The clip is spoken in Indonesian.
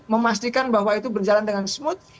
memastikan bahwa itu berjalan dengan smooth